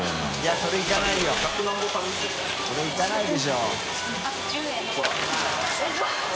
修いかないでしょ。